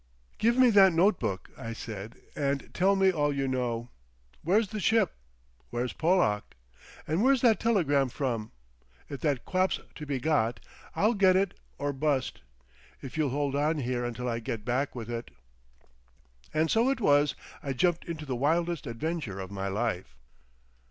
"Give me that note book," I said, "and tell me all you know. Where's the ship? Where's Pollack? And where's that telegram from? If that quap's to be got, I'll get it or bust. If you'll hold on here until I get back with it."... And so it was I jumped into the wildest adventure of my life.